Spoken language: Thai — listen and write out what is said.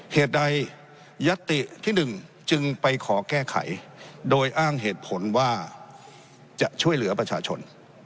เหตุใดยัตติที่๑จึงไปขอแก้ไขโดยอ้างเหตุผลว่าจะช่วยเหลือประชาชน